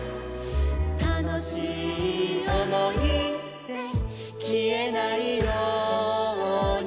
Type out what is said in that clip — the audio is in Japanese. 「たのしいおもいできえないように」